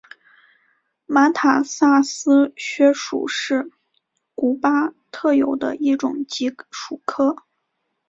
马坦萨斯穴鼠是古巴特有的一种棘鼠科。